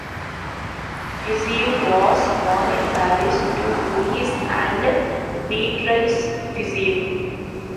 Fizeau was born in Paris to Louis and Beatrice Fizeau.